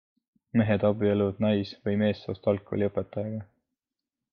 Mehed abielluvad nais- või meessoost algkooliõpetajaga.